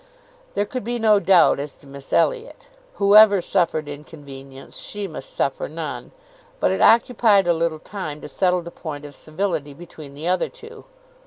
There could be no doubt as to Miss Elliot. Whoever suffered inconvenience, she must suffer none, but it occupied a little time to settle the point of civility between the other two.